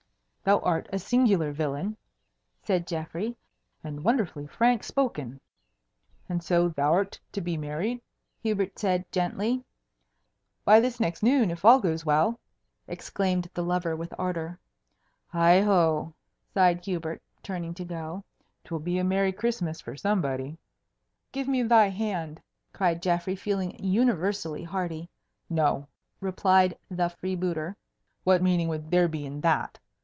"Thou art a singular villain," said Geoffrey, "and wonderfully frank spoken." "And so thou'rt to be married?" Hubert said gently. "By this next noon, if all goes well!" exclaimed the lover with ardour. "Heigho!" sighed Hubert, turning to go, "'twill be a merry Christmas for somebody." "Give me thy hand," cried Geoffrey, feeling universally hearty. "No," replied the freebooter; "what meaning would there be in that?